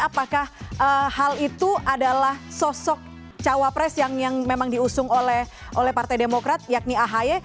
apakah hal itu adalah sosok cawapres yang memang diusung oleh partai demokrat yakni ahy